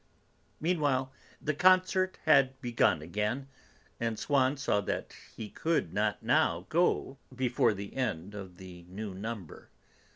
Meanwhile the concert had begun again, and Swann saw that he could not now go before the end of the new number.